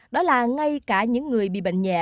đó là ngay cả những người bị bệnh nhẹ